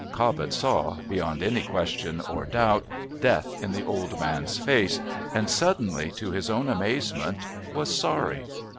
Cobbett saw, beyond any question or doubt, death in the old man's face, and suddenly, to his own amazement, was sorry.